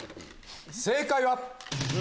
正解は。